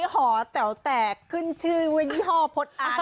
หอแต๋วแตกขึ้นชื่อว่ายี่ห้อพดอัน